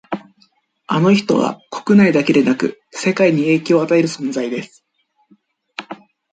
あの人は国内だけでなく世界に影響を与える存在です